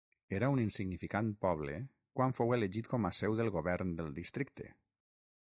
Era un insignificant poble quan fou elegit com a seu del govern del districte.